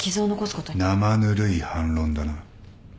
生ぬるい反論だな。